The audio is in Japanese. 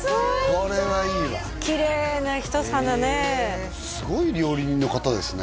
これはいいわきれいな一皿ねすごい料理人の方ですね